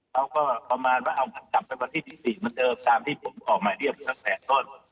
เขาก็ประมาณว่าเอากันกลับไปวันที่๑๔มันเจอตามที่ผมขอมาเรียบทั้งแสดงต้น